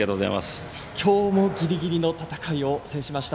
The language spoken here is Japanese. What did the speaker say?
今日もギリギリの戦いを制しました。